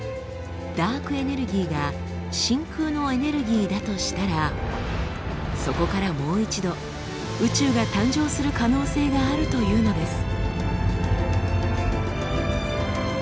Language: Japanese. ダークエネルギーが真空のエネルギーだとしたらそこからもう一度宇宙が誕生する可能性があるというのです。